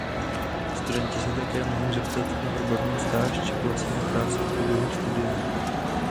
Studenti se také mohou zapsat na odbornou stáž či placenou práci v průběhu studia.